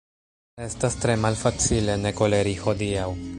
Estas tre malfacile ne koleri hodiaŭ.